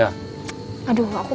aduh aku tuh kayak gak bisa deh